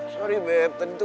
sorry beb tadi tuh